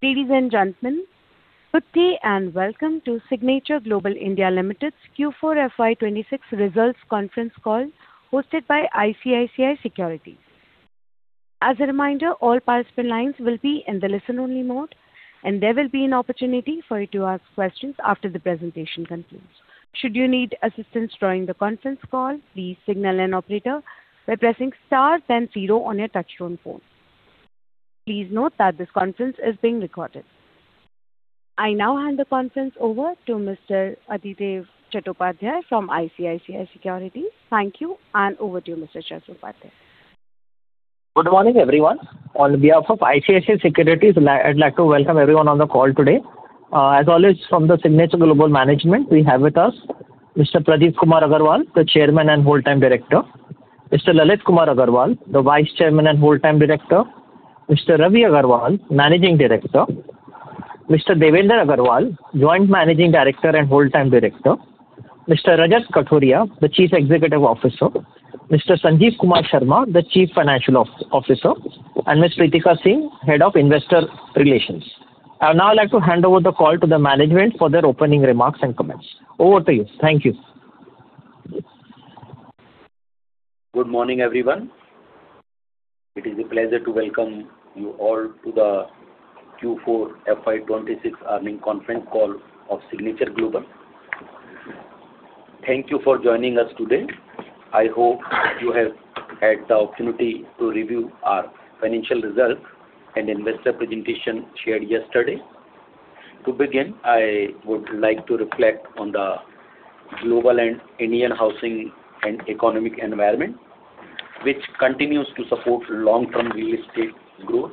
Ladies and gentlemen, good day and welcome to Signature Global (India) Limited's Q4 FY 2026 results conference call hosted by ICICI Securities. As a reminder, all participant lines will be in the listen-only mode, and there will be an opportunity for you to ask questions after the presentation concludes. Should you need assistance during the conference call, please signal an operator by pressing star then zero on your touchtone phone. Please note that this conference is being recorded. I now hand the conference over to Mr. Adhidev Chattopadhyay from ICICI Securities. Thank you, and over to you, Mr. Adhidev Chattopadhyay. Good morning, everyone. On behalf of ICICI Securities, I'd like to welcome everyone on the call today. As always, from the Signature Global Management, we have with us Mr. Pradeep Kumar Aggarwal, the Chairman and Whole-Time Director. Mr. Lalit Kumar Aggarwal, the Vice Chairman and Whole-Time Director. Mr. Ravi Aggarwal, Managing Director. Mr. Devender Aggarwal, Joint Managing Director and Whole-Time Director. Mr. Rajat Kathuria, the Chief Executive Officer. Mr. Sanjeev Kumar Sharma, the Chief Financial Officer, and Ms. Preetika Singh, Head of Investor Relations. I would now like to hand over the call to the management for their opening remarks and comments. Over to you. Thank you. Good morning, everyone. It is a pleasure to welcome you all to the Q4 FY 2026 earnings conference call of Signature Global (India). Thank you for joining us today. I hope you have had the opportunity to review our financial results and investor presentation shared yesterday. To begin, I would like to reflect on the global and Indian housing and economic environment, which continues to support long-term real estate growth.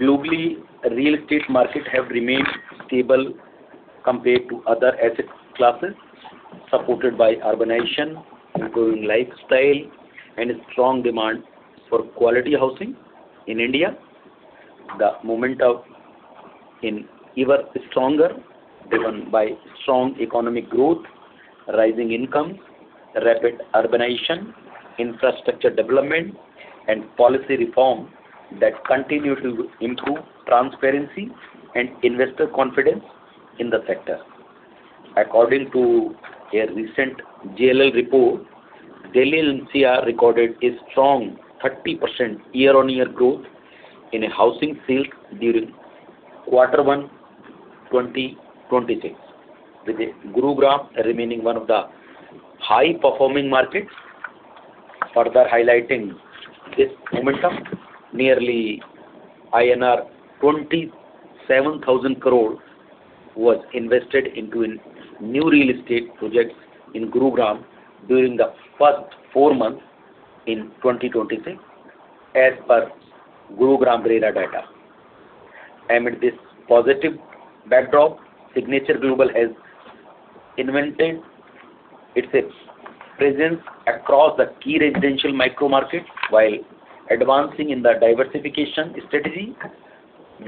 Globally, real estate markets have remained stable compared to other asset classes, supported by urbanization, improving lifestyle, and strong demand for quality housing. In India, the momentum is ever stronger, driven by strong economic growth, rising incomes, rapid urbanization, infrastructure development, and policy reform that continue to improve transparency and investor confidence in the sector. According to a recent JLL report, Delhi NCR recorded a strong 30% year-on-year growth in housing sales during Q1 2026, with Gurugram remaining one of the high-performing markets. Further highlighting this momentum, nearly INR 27,000 crore was invested into new real estate projects in Gurugram during the first four months in 2026 as per Gurugram RERA data. Amid this positive backdrop, Signature Global has cemeented its presence across the key residential micro markets while advancing in the diversification strategy.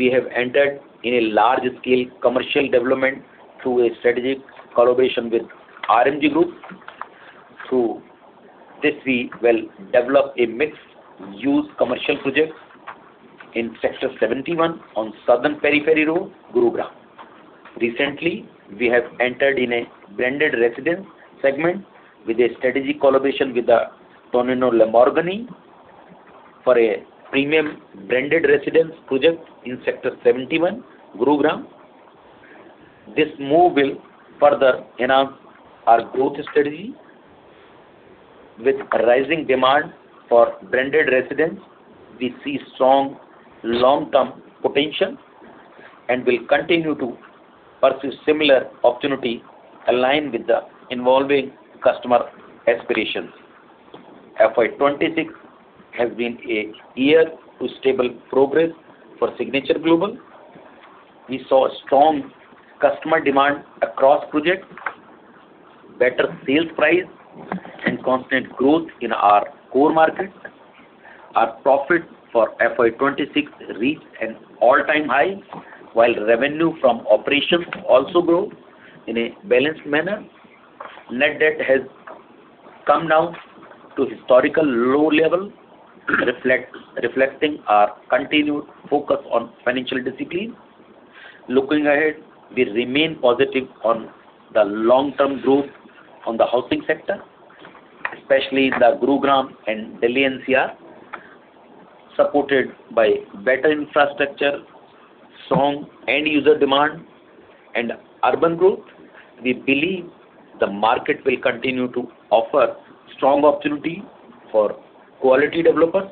We have entered in a large-scale commercial development through a strategic collaboration with RMZ Group. Through this, we will develop a mixed-use commercial project in Sector 71 on Southern Periphery Road, Gurugram. Recently, we have entered in a branded residence segment with a strategic collaboration with the Tonino Lamborghini for a premium branded residence project in Sector 71, Gurugram. This move will further enhance our growth strategy. With rising demand for branded residence, we see strong long-term potential and will continue to pursue similar opportunity aligned with the evolving customer aspirations. FY 2026 has been a year of stable progress for Signature Global. We saw strong customer demand across projects, better sales price, and constant growth in our core markets. Our profit for FY 2026 reached an all-time high, while revenue from operations also grew in a balanced manner. Net debt has come down to historical low level, reflecting our continued focus on financial discipline. Looking ahead, we remain positive on the long-term growth in the housing sector, especially the Gurugram and Delhi NCR. Supported by better infrastructure, strong end user demand, and urban growth, we believe the market will continue to offer strong opportunity for quality developers.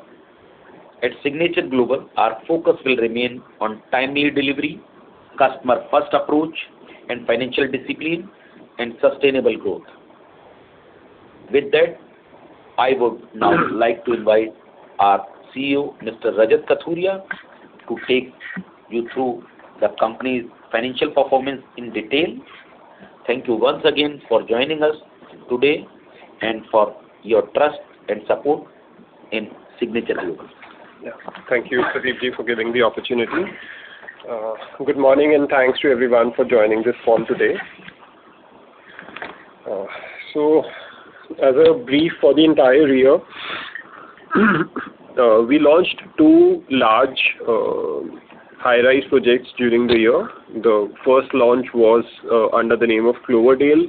At Signature Global, our focus will remain on timely delivery, customer-first approach, and financial discipline and sustainable growth. With that, I would now like to invite our CEO, Mr. Rajat Kathuria, to take you through the company's financial performance in detail. Thank you once again for joining us today and for your trust and support in Signature Global. Thank you, Pradeep, for giving the opportunity. Good morning and thanks to everyone for joining this call today. As a brief for the entire year, we launched two large high-rise projects during the year. The first launch was under the name of Cloverdale,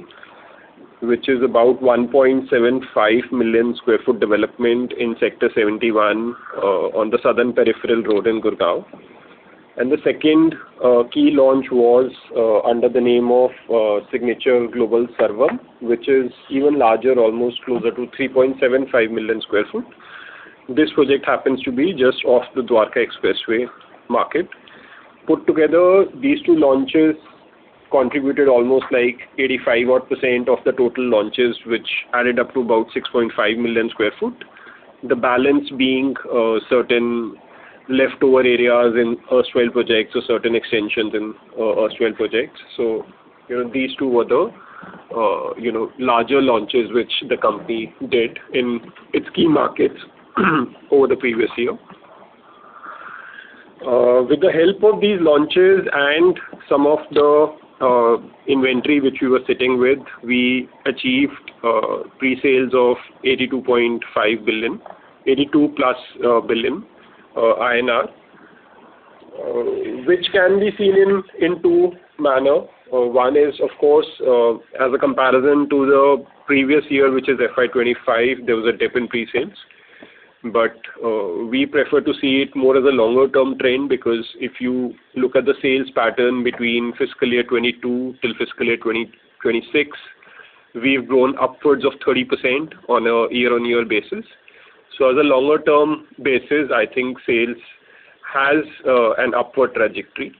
which is about 1.75 million sq ft development in Sector 71, on the Southern Peripheral Road in Gurugram. The second key launch was under the name of Signature Global Sarvam, which is even larger, almost closer to 3.75 million sq ft. This project happens to be just off the Dwarka Expressway market. Put together, these two launches contributed almost like 85% odd of the total launches, which added up to about 6.5 million sq ft. The balance being certain leftover areas in Erstwhile Projects or certain extensions in Erstwhile Projects. You know, these two were the, you know, larger launches which the company did in its key markets over the previous year. With the help of these launches and some of the inventory which we were sitting with, we achieved pre-sales of 82.5 billion, 82+ billion INR. Which can be seen in two manner. One is, of course, as a comparison to the previous year, which is FY 2025, there was a dip in pre-sales. We prefer to see it more as a longer term trend, because if you look at the sales pattern between fiscal year 2022 till fiscal year 2026, we've grown upwards of 30% on a year-on-year basis. As a longer term basis, I think sales has an upward trajectory.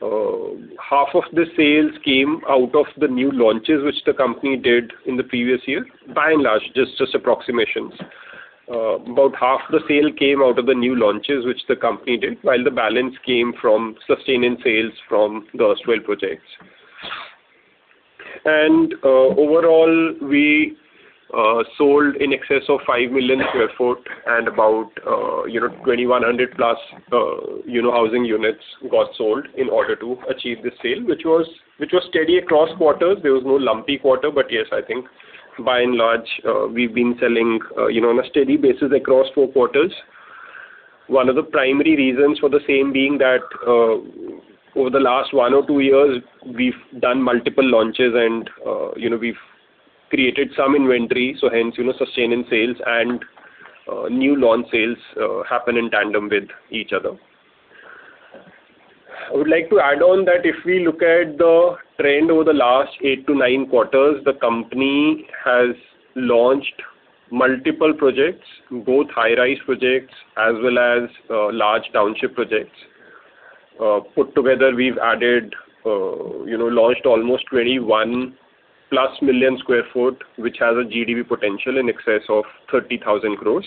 Half of the sales came out of the new launches, which the company did in the previous year. By and large, just approximations. About half the sale came out of the new launches, which the company did, while the balance came from sustaining sales from the Erstwhile Projects. Overall, we sold in excess of 5 million sq ft and about, you know, 2,100+, you know, housing units got sold in order to achieve the sale, which was steady across quarters. There was no lumpy quarter, but yes, I think by and large, we've been selling, you know, on a steady basis across four quarters. One of the primary reasons for the same being that, over the last one or two years, we've done multiple launches and, you know, we've created some inventory, so hence, you know, sustaining sales and new launch sales happen in tandem with each other. I would like to add on that if we look at the trend over the last 8-9 quarters, the company has launched multiple projects, both high-rise projects as well as large township projects. Put together, we've added, you know, launched almost 21+ million sq ft, which has a GDV potential in excess of 30,000 crores,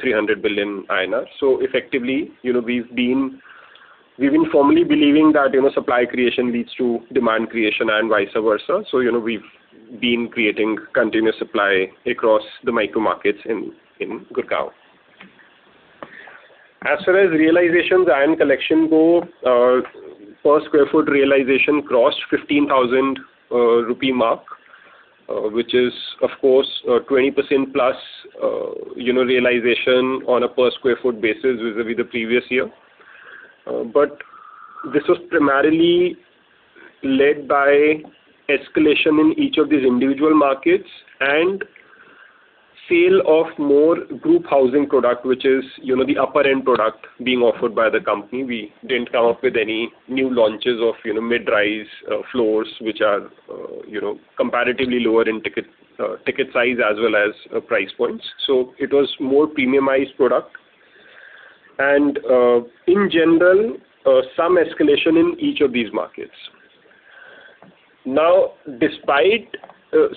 300 billion INR. Effectively, you know, we've been firmly believing that, you know, supply creation leads to demand creation and vice versa. You know, we've been creating continuous supply across the micro markets in Gurugram. As far as realizations and collection go, per square foot realization crossed 15,000 rupee mark, which is of course, 20%+, you know, realization on a per square foot basis vis-à-vis the previous year. This was primarily led by escalation in each of these individual markets and sale of more group housing product, which is, you know, the upper end product being offered by the company. We didn't come up with any new launches of, you know, mid-rise floors, which are, you know, comparatively lower in ticket size as well as price points. It was more premiumized product. In general, some escalation in each of these markets. Despite,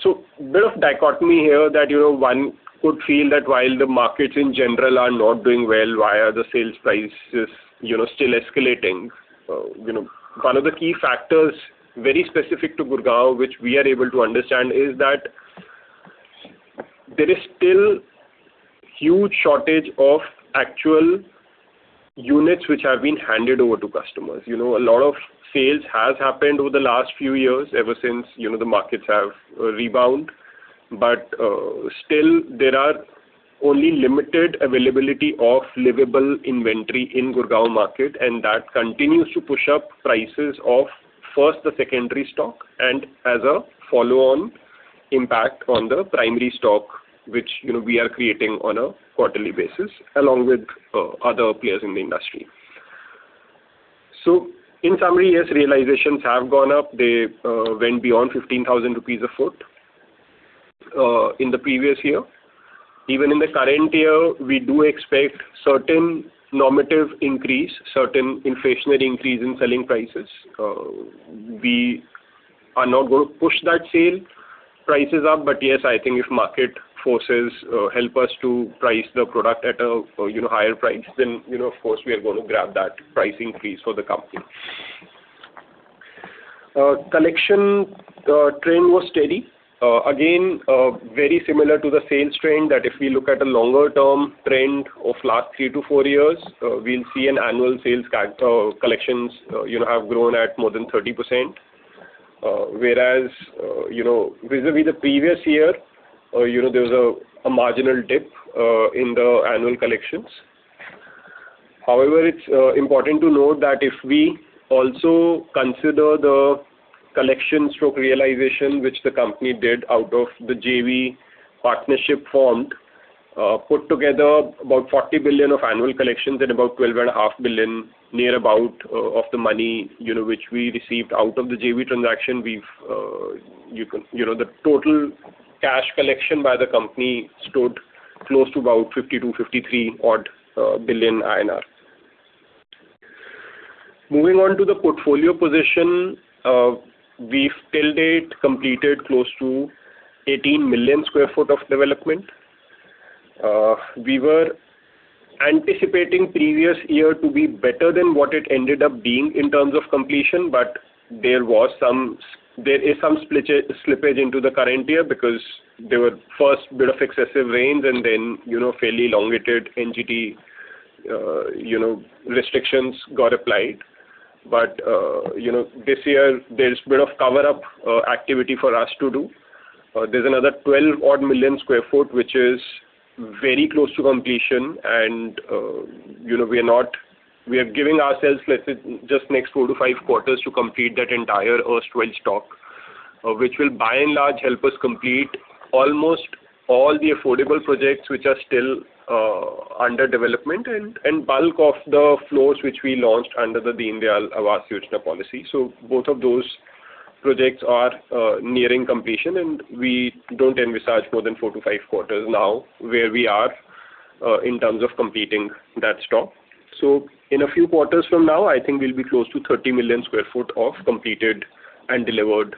so bit of dichotomy here that, you know, one could feel that while the markets in general are not doing well, why are the sales prices, you know, still escalating? You know, one of the key factors very specific to Gurugram, which we are able to understand, is that there is still huge shortage of actual units which have been handed over to customers. You know, a lot of sales has happened over the last few years ever since, you know, the markets have, rebound. Still there are only limited availability of livable inventory in Gurugram market, and that continues to push up prices of first the secondary stock and as a follow-on impact on the primary stock, which, you know, we are creating on a quarterly basis, along with, other players in the industry. In summary, yes, realizations have gone up. They went beyond 15,000 rupees a foot in the previous year. Even in the current year, we do expect certain normative increase, certain inflationary increase in selling prices. We are not going to push that sale prices up, but yes, I think if market forces help us to price the product at a, you know, higher price, then, you know, of course, we are going to grab that pricing increase for the company. Collection trend was steady. Again, very similar to the sales trend that if we look at a longer term trend of last 3-4years, we'll see an annual sales collections, you know, have grown at more than 30%. Whereas, you know, vis-a-vis the previous year, you know, there was a marginal dip in the annual collections. However, it's important to note that if we also consider the collection or realization which the company did out of the JV partnership formed, put together about 40 billion of annual collections and about 12.5 billion near about of the money, you know, which we received out of the JV transaction. We've, you know, the total cash collection by the company stood close to about 52 billion-53 billion INR odd. Moving on to the portfolio position, we've till date completed close to 18 million sq ft of development. We were anticipating previous year to be better than what it ended up being in terms of completion, but there was some slippage into the current year because there were first bit of excessive rains and then, you know, fairly elongated NGT, you know, restrictions got applied. You know, this year there's a bit of cover up activity for us to do. There's another 12 odd million sq ft, which is very close to completion and, you know, we are giving ourselves, let's say, just next 4-5 quarters to complete that entire erstwhile stock, which will by and large help us complete almost all the affordable projects which are still under development and bulk of the floors which we launched under the Deen Dayal Jan Awas Yojana policy. Both of those projects are nearing completion, and we don't envisage more than 4-5 quarters now where we are in terms of completing that stock. In a few quarters from now, I think we'll be close to 30 million sq ft of completed and delivered,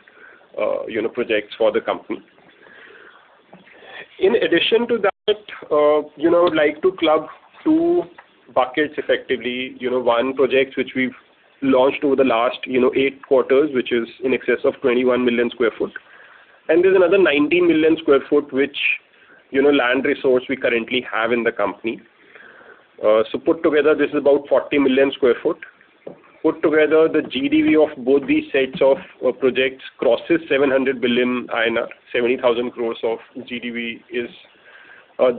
you know, projects for the company. In addition to that, you know, I would like to club two buckets effectively. You know, one, projects which we've launched over the last, you know, eight quarters, which is in excess of 21 million sq ft. There's another 19 million sq ft which, you know, land resource we currently have in the company. Put together, this is about 40 million sq ft. Put together, the GDV of both these sets of projects crosses 700 billion INR, 70,000 crores of GDV is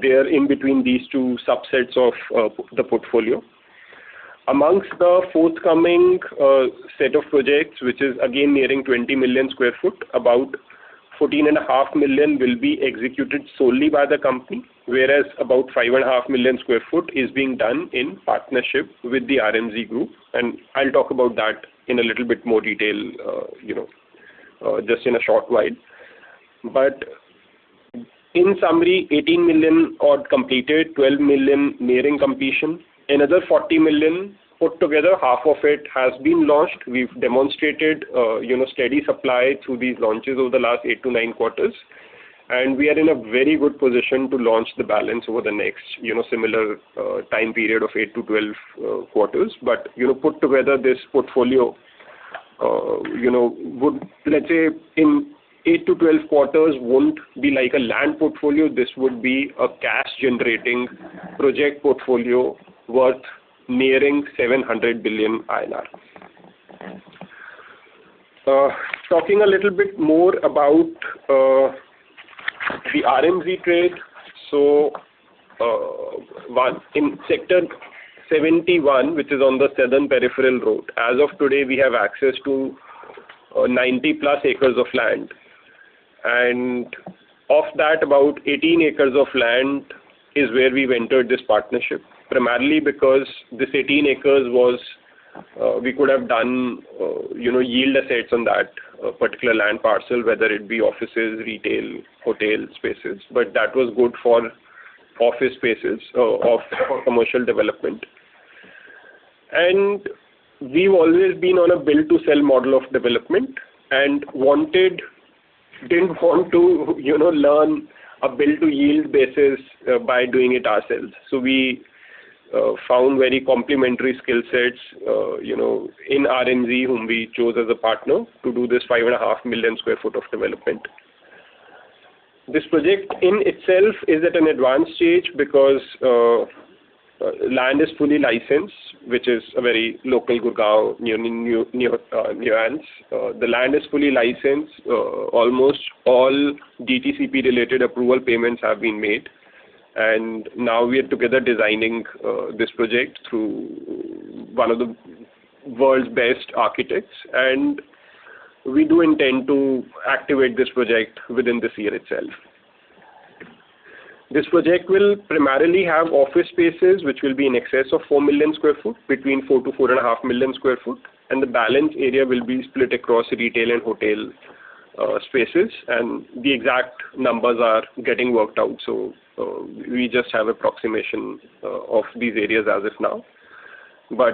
there in between these two subsets of the portfolio. Amongst the forthcoming set of projects, which is again nearing 20 million sq ft, about 14.5 million will be executed solely by the company, whereas about 5.5 million sq ft is being done in partnership with the RMZ Group. I'll talk about that in a little bit more detail, you know, just in a short while. In summary, 18 million odd completed, 12 million nearing completion. Another 40 million put together, half of it has been launched. We've demonstrated, you know, steady supply through these launches over the last 8-9 quarters, and we are in a very good position to launch the balance over the next, you know, similar time period of 8-12 quarters. You know, put together this portfolio, you know, would, let's say, in 8-12 quarters won't be like a land portfolio. This would be a cash generating project portfolio worth nearing INR 700 billion. Talking a little bit more about the RMZ trade. In Sector 71, which is on the Southern Peripheral Road, as of today, we have access to 90+ acres of land. Of that, about 18 acres of land is where we've entered this partnership, primarily because this 18 acres was, we could have done, you know, yield assets on that particular land parcel, whether it be offices, retail, hotel spaces, but that was good for office spaces of commercial development. We've always been on a build-to-sell model of development and didn't want to, you know, learn a build-to-yield basis by doing it ourselves. We found very complementary skill sets, you know, in RMZ, whom we chose as a partner to do this 5.5 million sq ft of development. This project in itself is at an advanced stage because land is fully licensed, which is a very local Gurugram near nuance. The land is fully licensed. Almost all DTCP related approval payments have been made. Now we are together designing this project through one of the world's best architects, and we do intend to activate this project within this year itself. This project will primarily have office spaces, which will be in excess of 4 million sq ft, between 4 million sq ft-4.5 million sq ft, and the balance area will be split across retail and hotel spaces. The exact numbers are getting worked out, so we just have approximation of these areas as of now. By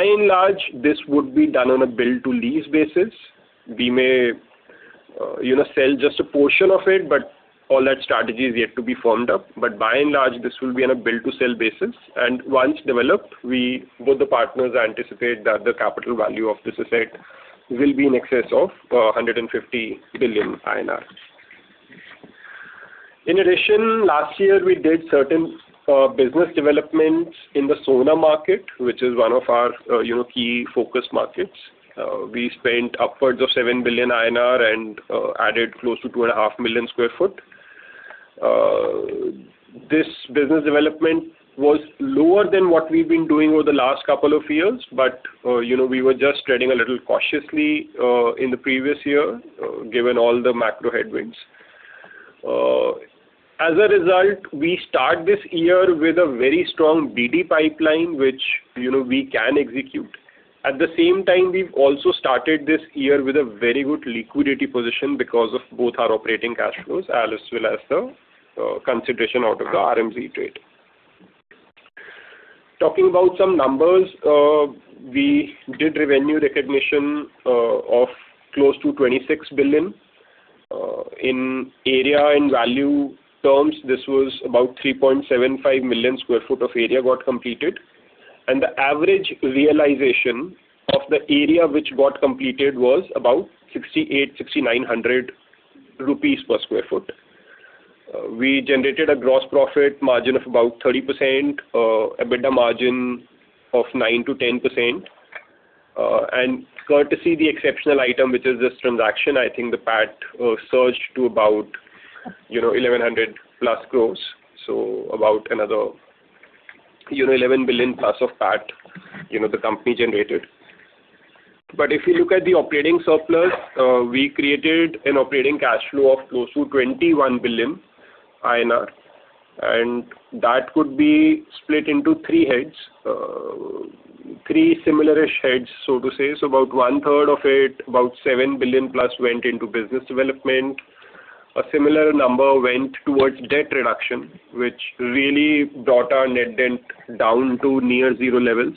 and large, this would be done on a build-to-lease basis. We may, you know, sell just a portion of it, but all that strategy is yet to be formed up. By and large, this will be on a build-to-sell basis. Once developed, we, both the partners anticipate that the capital value of this asset will be in excess of 150 billion INR. In addition, last year we did certain business developments in the Sohna market, which is one of our, you know, key focus markets. We spent upwards of 7 billion INR and added close to 2.5 million sq ft. This business development was lower than what we've been doing over the last couple of years, but, you know, we were just treading a little cautiously in the previous year, given all the macro headwinds. As a result, we start this year with a very strong BD pipeline, which, you know, we can execute. At the same time, we've also started this year with a very good liquidity position because of both our operating cash flows as well as the consideration out of the RMZ trade. Talking about some numbers, we did revenue recognition of close to 26 billion. In area and value terms, this was about 3.75 million sq ft of area got completed. The average realization of the area which got completed was about 6,800-6,900 rupees per sq ft. We generated a gross profit margin of about 30%, EBITDA margin of 9%-10%. Courtesy the exceptional item, which is this transaction, I think the PAT surged to about, you know, 1,100+ crores. About another, you know, 11 billion+ of PAT, you know, the company generated. If you look at the operating surplus, we created an operating cash flow of close to 21 billion INR, and that could be split into three heads, three similar-ish heads, so to say. About 1/3 of it, about 7 billion+ went into business development. A similar number went towards debt reduction, which really brought our net debt down to near zero levels.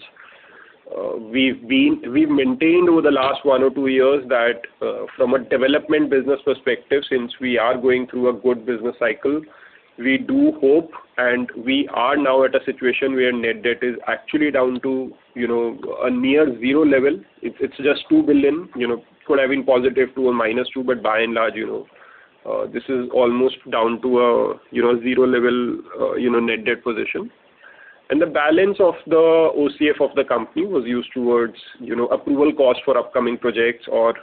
We've maintained over the last one or two years that, from a development business perspective, since we are going through a good business cycle, we do hope, and we are now at a situation where net debt is actually down to, you know, a near zero level. It's just 2 billion, you know. It could have been +2 or -2, but by and large, you know, this is almost down to a, you know, zero level, you know, net debt position. The balance of the OCF of the company was used towards, you know, approval costs for upcoming projects or,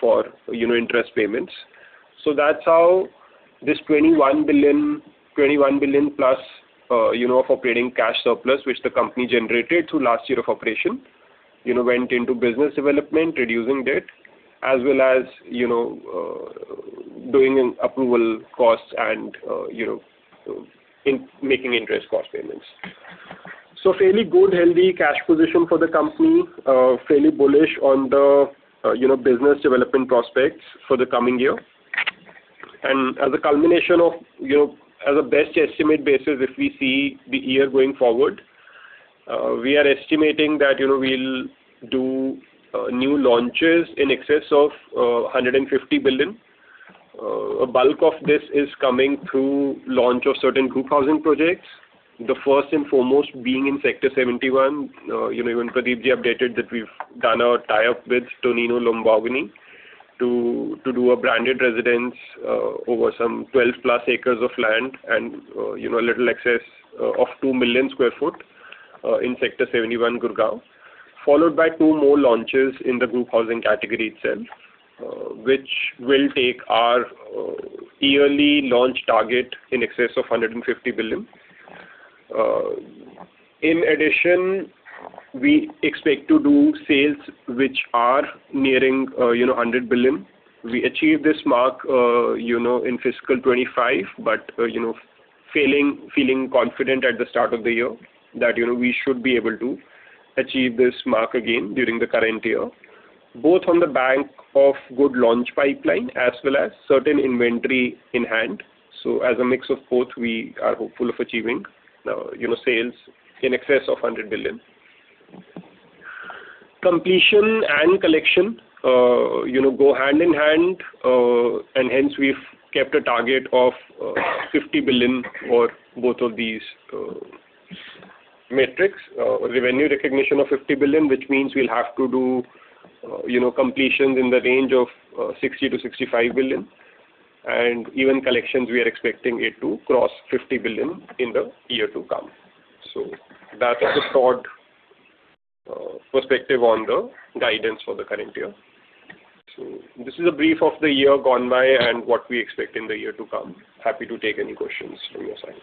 for, you know, interest payments. That's how this 21 billion+, you know, of operating cash surplus, which the company generated through last year of operation, you know, went into business development, reducing debt, as well as, you know, doing an approval cost and, you know, in making interest cost payments. Fairly good, healthy cash position for the company. Fairly bullish on the, you know, business development prospects for the coming year. As a culmination of, you know, as a best estimate basis, if we see the year going forward, we are estimating that, you know, we'll do new launches in excess of 150 billion. A bulk of this is coming through launch of certain group housing projects. The first and foremost being in Sector 71. You know, even Pradeep updated that we've done our tie-up with Tonino Lamborghini to do a branded residence over some 12+ acres of land and, you know, a little excess of 2 million sq ft in Sector 71, Gurugram. Followed by two more launches in the group housing category itself, which will take our yearly launch target in excess of 150 billion. In addition, we expect to do sales which are nearing, you know, 100 billion. We achieved this mark, you know, in FY 2025, you know, feeling confident at the start of the year that, you know, we should be able to achieve this mark again during the current year. Both on the bank of good launch pipeline as well as certain inventory in hand. As a mix of both, we are hopeful of achieving, you know, sales in excess of 100 billion. Completion and collection, you know, go hand in hand. Hence we've kept a target of 50 billion for both of these metrics. Revenue recognition of 50 billion, which means we'll have to do, you know, completions in the range of 60 billion-65 billion. Even collections, we are expecting it to cross 50 billion in the year to come. That's a short perspective on the guidance for the current year. This is a brief of the year gone by and what we expect in the year to come. Happy to take any questions from your side.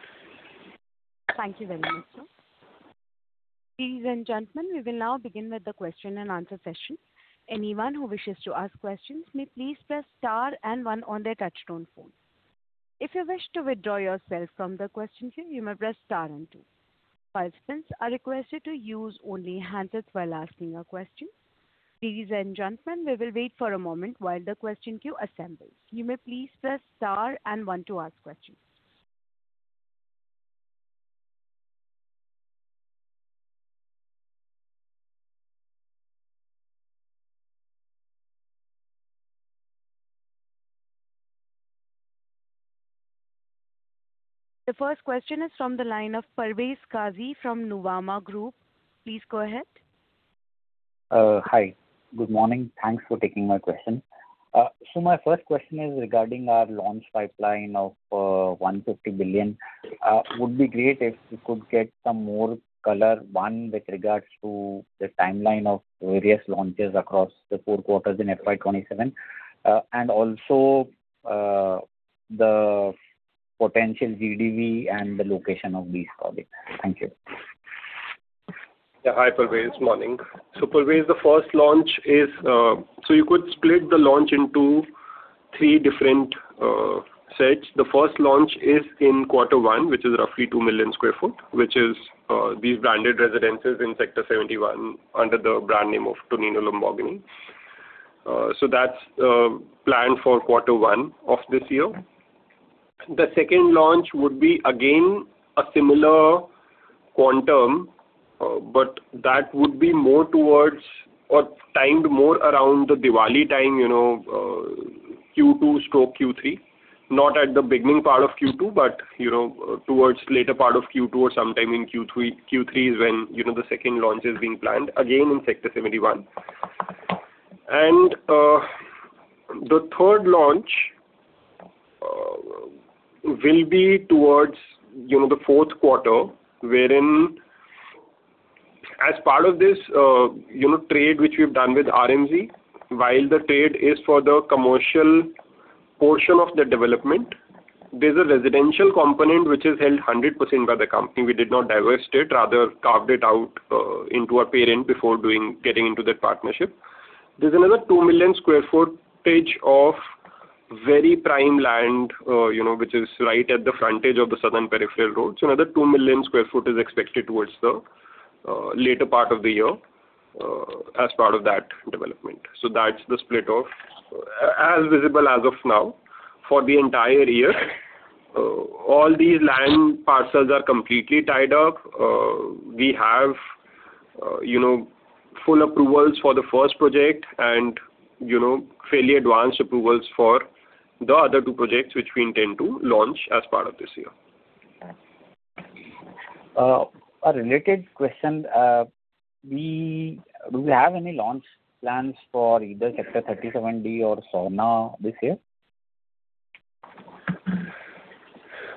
Thank you very much, sir. Ladies and gentlemen, we will now begin with the question and answer session. The first question is from the line of Parvez Qazi from Nuvama Group. Please go ahead. Hi. Good morning. Thanks for taking my question. My first question is regarding our launch pipeline of 150 billion. Would be great if we could get some more color, one, with regards to the timeline of various launches across the four quarters in FY 2027, and also, the potential GDV and the location of these projects. Thank you. Yeah, hi, Parvez. Morning. Parvez, the first launch is, so you could split the launch into three different sets. The first launch is in Q1, which is roughly 2 million sq ft, which is these branded residences in Sector 71 under the brand name of Tonino Lamborghini. That's planned for Q1 of this year. The second launch would be, again, a similar quantum, but that would be more towards or timed more around the Diwali time, you know, Q2/Q3. Not at the beginning part of Q2, but, you know, towards later part of Q2 or sometime in Q3 is when, you know, the second launch is being planned, again, in Sector 71. The third launch will be towards, you know, the Q4, wherein as part of this, you know, trade which we've done with RMZ, while the trade is for the commercial portion of the development, there's a residential component which is held 100% by the company. We did not divest it, rather carved it out into a parent before getting into that partnership. There's another 2 million sq ft of very prime land, you know, which is right at the frontage of the Southern Peripheral Road. Another 2 million sq ft is expected towards the later part of the year as part of that development. That's the split of as visible as of now for the entire year. All these land parcels are completely tied up. We have, you know, full approvals for the first project and, you know, fairly advanced approvals for the other two projects which we intend to launch as part of this year. A related question. Do we have any launch plans for either Sector 37D or Sohna this year?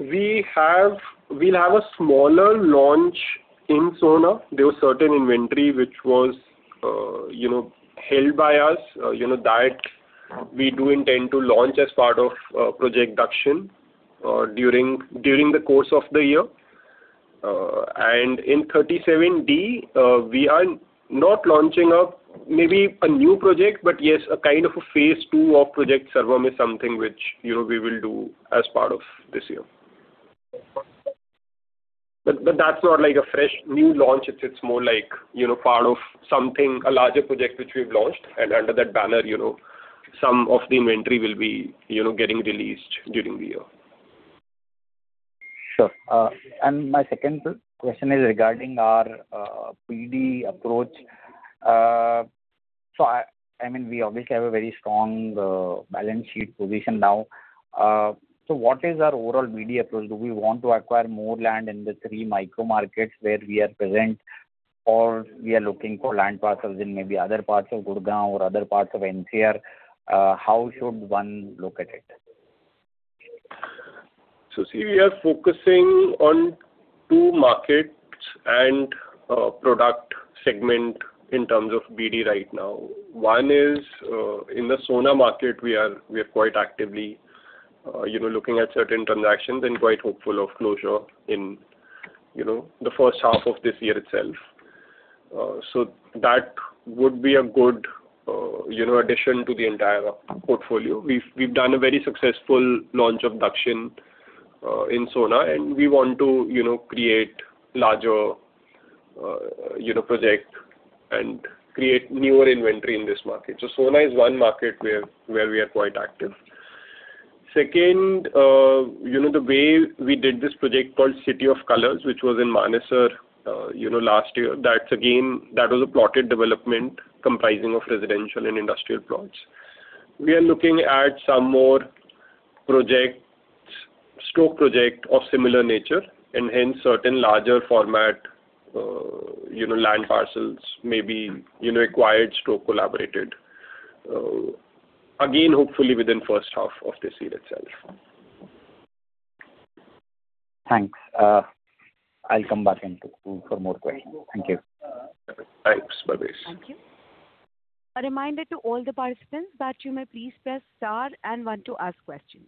We'll have a smaller launch in Sohna. There was certain inventory which was, you know, held by us, you know, that we do intend to launch as part of Project Dakshin during the course of the year. In 37D, we are not launching a, maybe a new project, but yes, a kind of a phase II of Project Sarvam is something which, you know, we will do as part of this year. That's not like a fresh new launch. It's more like, you know, part of something, a larger project which we've launched. Under that banner, you know, some of the inventory will be, you know, getting released during the year. Sure. My second question is regarding our BD approach. I mean, we obviously have a very strong balance sheet position now. What is our overall BD approach? Do we want to acquire more land in the three micro markets where we are present, or we are looking for land parcels in maybe other parts of Gurugram or other parts of NCR? How should one look at it? See, we are focusing on two markets and product segment in terms of BD right now. One is, in the Sohna market, we are quite actively, you know, looking at certain transactions and quite hopeful of closure in, you know, the H1 of this year itself. That would be a good, you know, addition to the entire portfolio. We've done a very successful launch of Dakshin in Sohna, and we want to, you know, create larger, you know, project and create newer inventory in this market. Sohna is one market where we are quite active. Second, you know, the way we did this project called City of Colors, which was in Manesar, you know, last year. That's again, that was a plotted development comprising of residential and industrial plots. We are looking at some more projects/project of similar nature, and hence certain larger format, you know, land parcels may be, you know, acquired to collaborated, again, hopefully within H1 of this year itself. Thanks. I'll come back in for more questions. Thank you. Thanks, Parvez Qazi. Thank you. A reminder to all the participants that you may please press star and one to ask questions.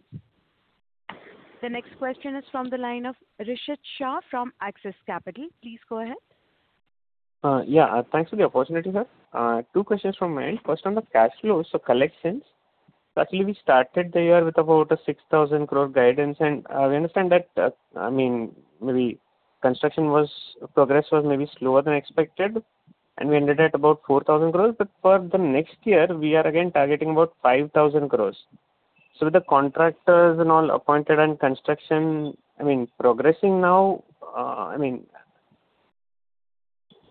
The next question is from the line of Rishith Shah from Axis Capital. Please go ahead. Yeah. Thanks for the opportunity, sir. Two questions from my end. First, on the cash flows, so collections. Actually, we started the year with about an 6,000 crore guidance. We understand that, I mean, maybe progress was maybe slower than expected, and we ended at about 4,000 crore. For the next year, we are again targeting about 5,000 crore. With the contractors and all appointed and construction, I mean, progressing now, I mean,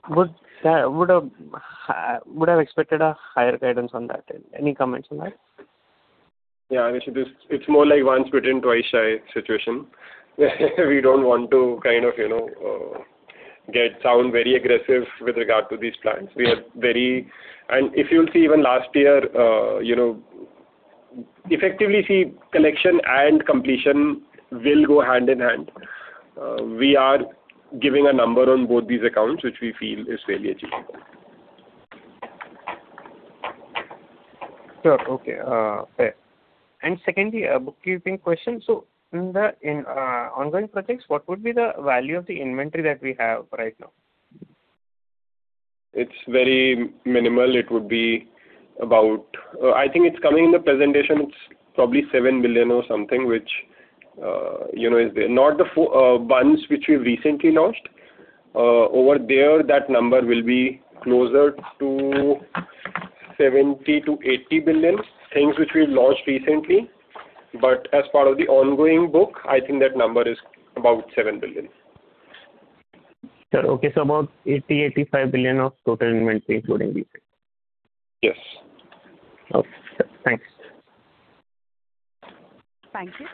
would have expected a higher guidance on that. Any comments on that? Yeah, I mean, it's more like once bitten, twice shy situation. We don't want to kind of, you know, get sound very aggressive with regard to these plans. We are very. If you'll see even last year, you know, effectively see collection and completion will go hand in hand. We are giving a number on both these accounts, which we feel is fairly achievable. Sure. Okay. Fair. Secondly, a bookkeeping question. In the, in ongoing projects, what would be the value of the inventory that we have right now? It's very minimal. It would be about I think it's coming in the presentation. It's probably 7 billion or something, which, you know, is the Not the buns which we've recently launched. Over there, that number will be closer to 70 billion-80 billion, things which we've launched recently. As part of the ongoing book, I think that number is about 7 billion. Sure. Okay, about 80 billion-85 billion of total inventory, including these. Yes. Okay. Sure. Thanks. Thank you.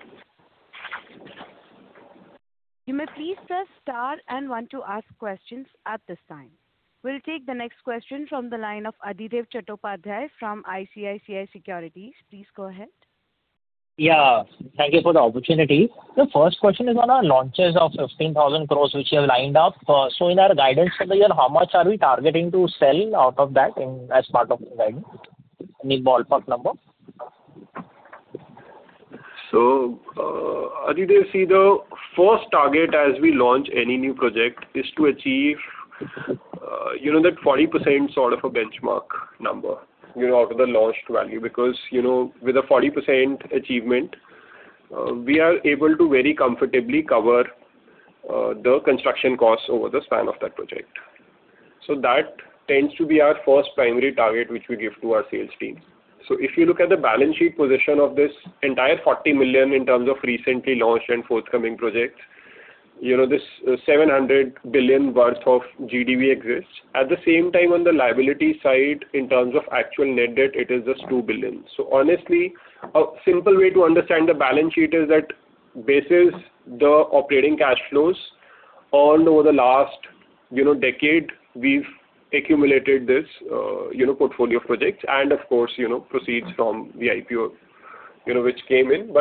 You may please press star and one to ask questions at this time. We'll take the next question from the line of Adhidev Chattopadhyay from ICICI Securities. Please go ahead. Yeah. Thank you for the opportunity. The first question is on our launches of 15,000 crore which you have lined up. In our guidance for the year, how much are we targeting to sell out of that as part of the guidance? Any ballpark number? Adhidev, see, the first target as we launch any new project is to achieve, you know, that 40% sort of a benchmark number, you know, out of the launched value. You know, with a 40% achievement, we are able to very comfortably cover the construction costs over the span of that project. That tends to be our first primary target, which we give to our sales team. If you look at the balance sheet position of this entire 40 million in terms of recently launched and forthcoming projects, you know, this 700 billion worth of GDV exists. At the same time, on the liability side, in terms of actual net debt, it is just 2 billion. Honestly, a simple way to understand the balance sheet is that basis the operating cash flows all over the last, you know, decade, we've accumulated this, you know, portfolio of projects and of course, you know, proceeds from the IPO, you know, which came in.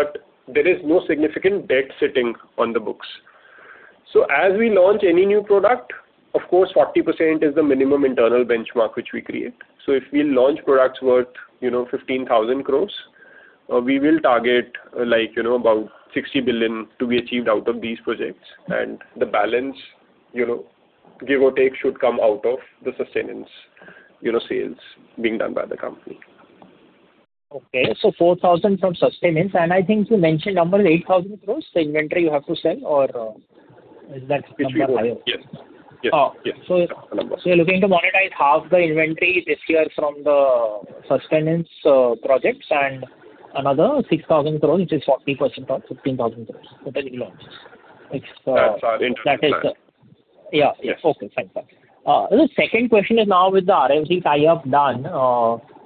There is no significant debt sitting on the books. As we launch any new product, of course, 40% is the minimum internal benchmark which we create. If we launch products worth, you know, 15,000 crore, we will target like, you know, about 60 billion to be achieved out of these projects. The balance, you know, give or take, should come out of the sustenance, you know, sales being done by the company. Okay. 4,000 from sustenance, I think you mentioned 8,000 crores, the inventory you have to sell or, is that number higher? Which we wrote. Yes. Yes. Oh. Yes. That number. You're looking to monetize half the inventory this year from the sustenance projects and another 6,000 crore, which is 40% of 15,000 crore, totally launches. That's our intent to plan. That is the- yeah. Yes. Okay. Thanks. The second question is now with the RMZ tie-up done,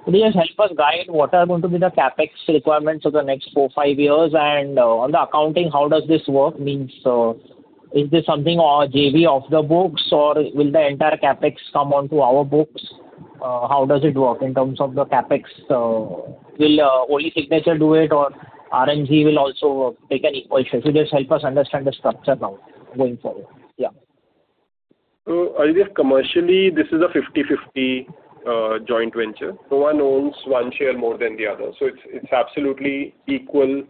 could you just help us guide what are going to be the CapEx requirements for the next four, five years? On the accounting, how does this work? Is this something on JV off the books, or will the entire CapEx come onto our books? How does it work in terms of the CapEx? Will only Signature do it or RMZ will also take an equal share? Could you just help us understand the structure now going forward? Yeah. Adhidev, commercially this is a 50-50 joint venture. No one owns one share more than the other. It's absolutely equal,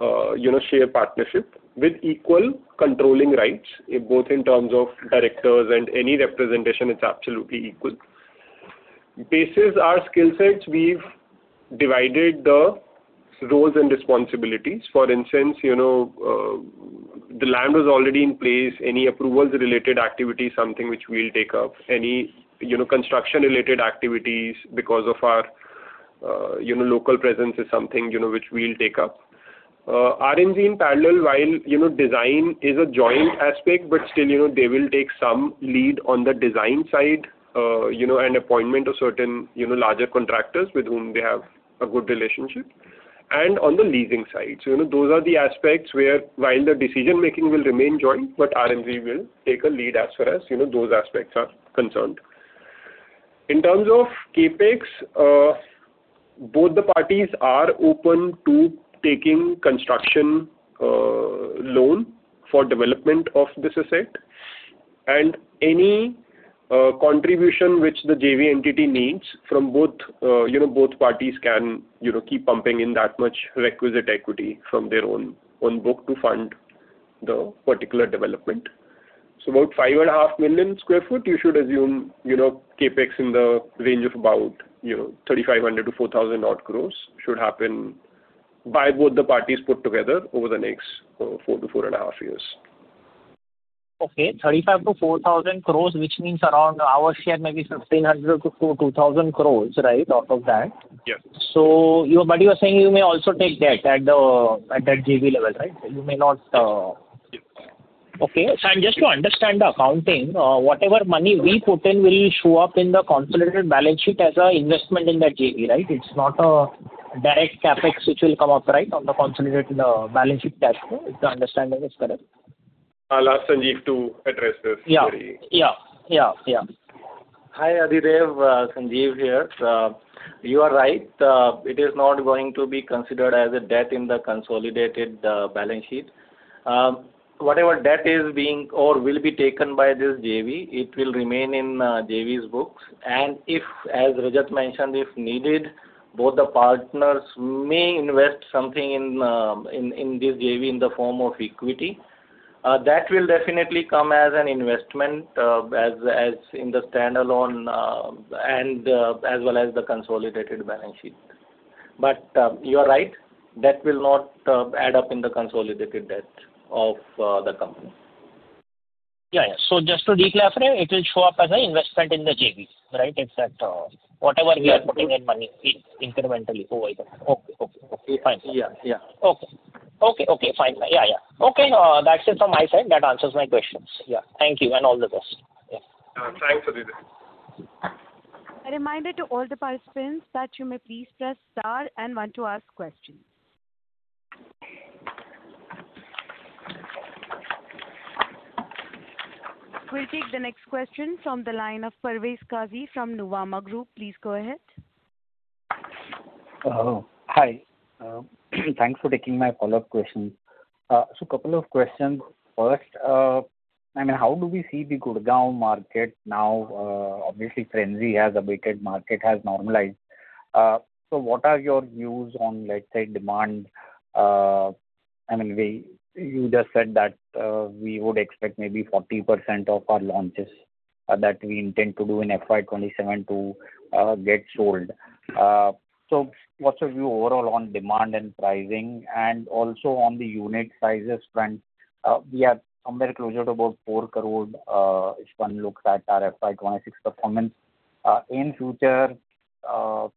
you know, share partnership with equal controlling rights, both in terms of directors and any representation, it's absolutely equal. Basis our skill sets, we've divided the roles and responsibilities. For instance, you know, the land was already in place. Any approvals related activity, something which we'll take up. Any, you know, construction related activities because of our, you know, local presence is something, you know, which we'll take up. RMZ in parallel, while, you know, design is a joint aspect, but still, you know, they will take some lead on the design side, you know, and appointment of certain, you know, larger contractors with whom they have a good relationship, and on the leasing side. You know, those are the aspects where while the decision-making will remain joint, but RMZ will take a lead as far as, you know, those aspects are concerned. In terms of CapEx, both the parties are open to taking construction loan for development of this asset and any contribution which the JV entity needs from both, you know, both parties can, you know, keep pumping in that much requisite equity from their own book to fund the particular development. About 5.5 million sq ft, you should assume, you know, CapEx in the range of about, you know, 3,500 crore-4,000 odd crore should happen by both the parties put together over the next 4-4.5 years. Okay. 3,500-4,000 crores, which means around our share maybe 1,500-2,000 crores, right? Out of that. Yes. But you are saying you may also take debt at the, at that JV level, right? You may not. Okay. Just to understand the accounting, whatever money we put in will show up in the consolidated balance sheet as an investment in that JV, right? It's not a direct CapEx which will come up, right, on the consolidated balance sheet cash flow. If the understanding is correct. I'll ask Sanjeev to address this query. Yeah. Yeah. Hi, Adhidev, Sanjeev here. You are right. It is not going to be considered as a debt in the consolidated balance sheet. Whatever debt is being or will be taken by this JV, it will remain in JV's books. If, as Rajat mentioned, if needed, both the partners may invest something in this JV in the form of equity. That will definitely come as an investment as in the standalone and as well as the consolidated balance sheet. You are right, that will not add up in the consolidated debt of the company. Yeah. Just to declare, it will show up as an investment in the JV, right? Is that whatever we are putting in money incrementally over there? Okay, fine. Yeah. Yeah. Okay, fine. Yeah. Okay. That's it from my side. That answers my questions. Yeah. Thank you, and all the best. Yeah. Thanks, Adhidev. A reminder to all the participants that you may please press star and one to ask questions. We'll take the next question from the line of Parvez Qazi from Nuvama Group. Please go ahead. Hello. Hi. Thanks for taking my follow-up question. Couple of questions. First, I mean, how do we see the Gurugram market now? Obviously frenzy has abated, market has normalized. What are your views on, let's say, demand? I mean, you just said that we would expect maybe 40% of our launches that we intend to do in FY 2027 to get sold. What's your view overall on demand and pricing and also on the unit sizes trend? We are somewhere closer to about 4 crore if one looks at our FY 2026 performance. In future, will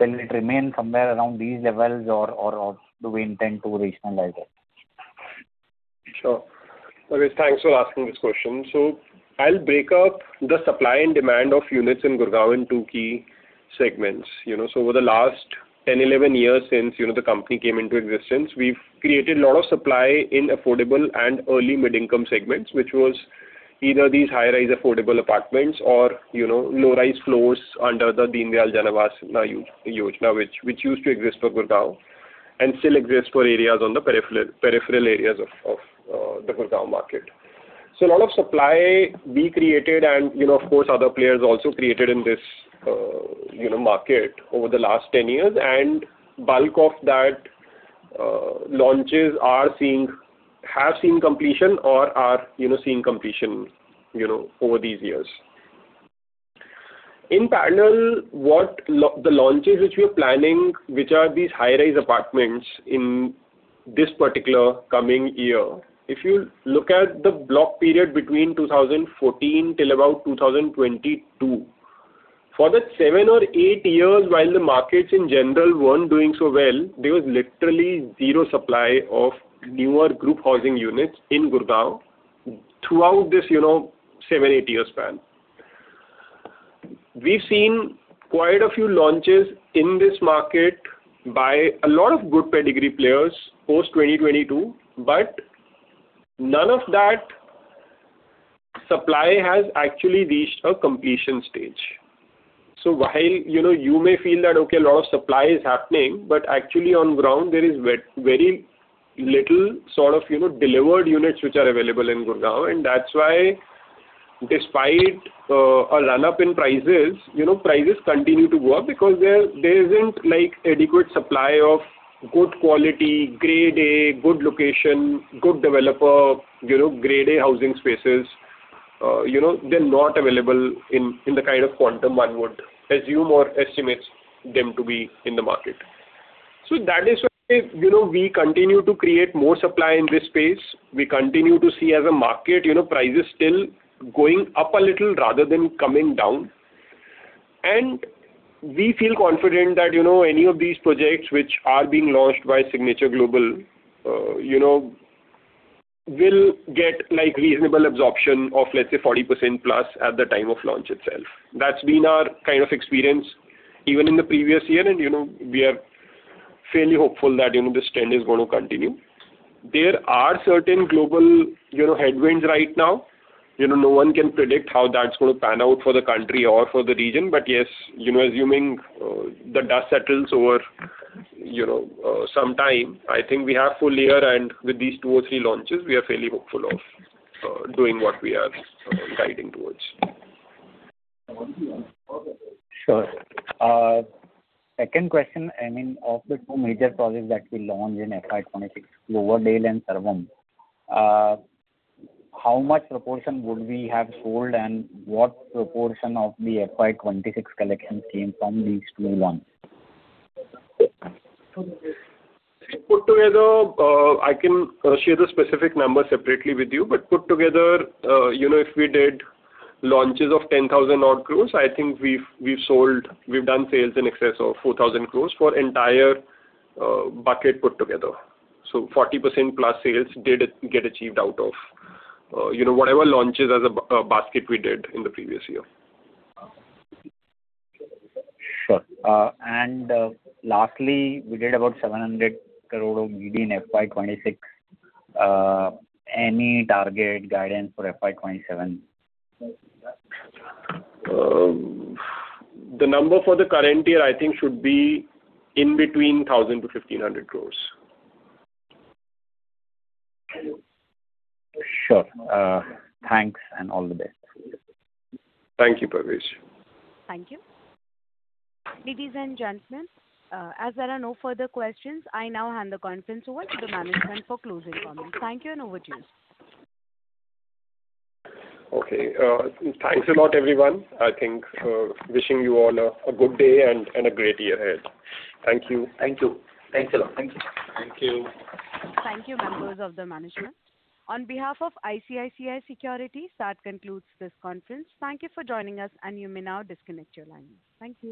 it remain somewhere around these levels or do we intend to rationalize it? Sure. Parvez, thanks for asking this question. I'll break up the supply and demand of units in Gurugram in two key segments. You know, over the last 10, 11 years since, you know, the company came into existence, we've created a lot of supply in affordable and early mid-income segments, which was either these high-rise affordable apartments or, you know, low-rise floors under the Deen Dayal Jan Awas Yojna, which used to exist for Gurugram and still exists for areas on the peripheral areas of the Gurugram market. A lot of supply we created and, you know, of course, other players also created in this, you know, market over the last 10 years, and bulk of that, launches have seen completion or are, you know, seeing completion, you know, over these years. In parallel, the launches which we are planning, which are these high-rise apartments in this particular coming year. If you look at the block period between 2014 till about 2022, for that seven or eight years, while the markets in general weren't doing so well, there was literally zero supply of newer group housing units in Gurugram throughout this, you know, seven, eight-year span. We've seen quite a few launches in this market by a lot of good pedigree players post 2022, none of that supply has actually reached a completion stage. While, you know, you may feel that, okay, a lot of supply is happening, but actually on ground there is very little sort of, you know, delivered units which are available in Gurugram. That's why despite a run-up in prices, you know, prices continue to go up because there isn't, like, adequate supply of good quality, grade A, good location, good developer, you know, grade A housing spaces. You know, they're not available in the kind of quantum one would assume or estimate them to be in the market. That is why, you know, we continue to create more supply in this space. We continue to see as a market, you know, prices still going up a little rather than coming down. We feel confident that, you know, any of these projects which are being launched by Signature Global, you know, will get, like, reasonable absorption of, let's say, 40%+ at the time of launch itself. That's been our kind of experience even in the previous year and, you know, we are fairly hopeful that, you know, this trend is going to continue. There are certain global, you know, headwinds right now. You know, no one can predict how that's gonna pan out for the country or for the region. Yes, you know, assuming the dust settles over, you know, some time, I think we have full year, and with these two or three launches, we are fairly hopeful of doing what we are guiding towards. Sure. Second question, I mean, of the two major projects that will launch in FY 2026, Cloverdale and Sarvam, how much proportion would we have sold, and what proportion of the FY 2026 collections came from these two launches? Put together, I can share the specific numbers separately with you, but put together, you know, if we did launches of 10,000 odd crores, I think we've sold, we've done sales in excess of 4,000 crores for entire bucket put together. So 40%+ sales did get achieved out of, you know, whatever launches as a basket we did in the previous year. Sure. Lastly, we did about 700 crore of GD in FY 2026. Any target guidance for FY 2027? The number for the current year, I think, should be in between 1,000 crore-1,500 crore. Sure. Thanks and all the best. Thank you, Parvez. Thank you. Ladies and gentlemen, as there are no further questions, I now hand the conference over to the management for closing comments. Thank you and over to you, sir. Okay. Thanks a lot, everyone. I think, wishing you all a good day and a great year ahead. Thank you. Thank you. Thanks a lot. Thank you. Thank you. Thank you, members of the management. On behalf of ICICI Securities, that concludes this conference. Thank you for joining us, and you may now disconnect your lines. Thank you.